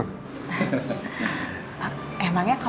emangnya kalau bapak tuh asalnya dari mana pak